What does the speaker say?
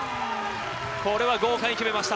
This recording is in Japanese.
これは豪快に決めました。